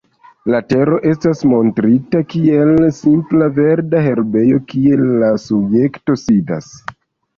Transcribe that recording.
La tero estas montrita kiel simpla verda herbejo, kie la subjekto sidas.